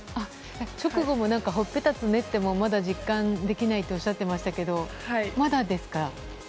直後も頬っぺたつねってもまだ実感できないとおっしゃってましたけどまだですか？